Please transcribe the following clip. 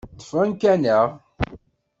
Ṭṭef amkan-a.